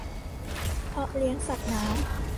เพาะเลี้ยงสัตว์น้ำ